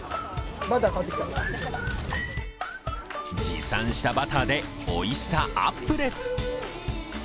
持参したバターで、おいしさアップです。